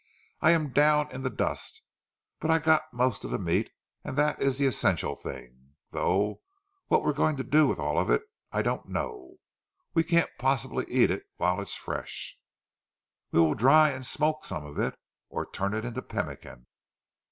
"I am down in the dust, but I've got most of the meat and that is the essential thing, though what we are going to do with all of it I don't know. We can't possibly eat it whilst it is fresh." "We will dry, and smoke some of it, or turn it into pemmican."